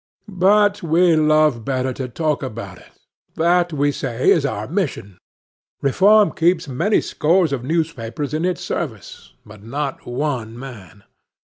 But we love better to talk about it: that we say is our mission. Reform keeps many scores of newspapers in its service, but not one man.